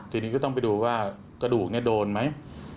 ทีนี้ก็ต้องไปดูว่ากระดูกโดนไหม